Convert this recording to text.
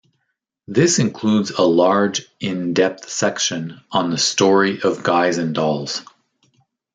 This includes a large in depth section on the story of Guys 'n' Dolls.